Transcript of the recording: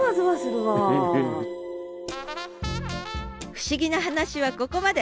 不思議な話はここまで！